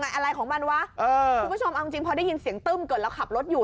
อะไรของมันวะเออคุณผู้ชมเอาจริงพอได้ยินเสียงตึ้มเกิดเราขับรถอยู่